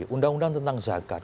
undang undang tentang zakat